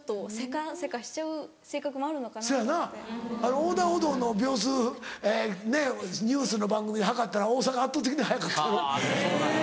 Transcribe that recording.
横断歩道の秒数ニュースの番組で計ったら大阪圧倒的に速かったの。